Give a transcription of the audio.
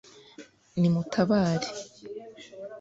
ni mutabare